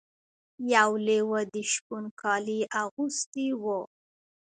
یو لیوه د شپون کالي اغوستي وو.